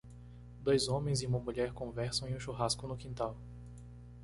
Dois homens e uma mulher conversam em um churrasco no quintal.